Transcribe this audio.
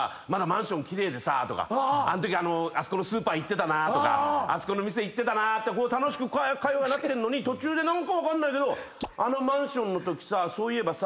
マンション奇麗でさとかあんときあそこのスーパー行ってたなとかあそこの店行ってたなって楽しく会話なってんのに途中で何か分かんないけど。